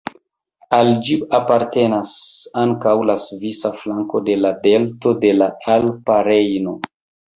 Al ĝi apartenas ankaŭ la svisa flanko de la delto de la Alpa Rejno.